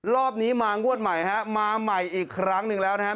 รอบนี้มางวดใหม่ฮะมาใหม่อีกครั้งหนึ่งแล้วนะครับ